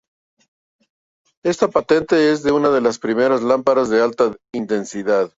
Esta patente es de una de las primeras lámparas de alta intensidad.